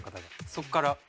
そこから。